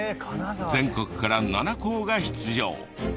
全国から７校が出場。